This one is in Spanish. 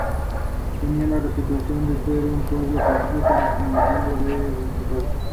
Es la empresa no estatal más grande del país.